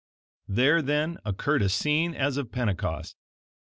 There then occurred a scene as of Pentecost.